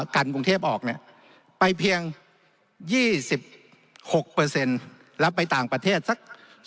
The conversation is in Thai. กันกรุงเทพออกไปเพียง๒๖แล้วไปต่างประเทศสัก